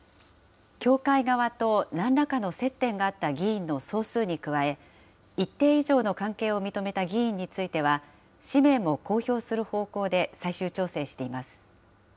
教会側となんらかの接点があった議員の総数に加え、一定以上の関係を認めた議員については、氏名も公表する方向で最終調整しています。